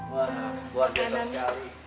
wah luar biasa sekali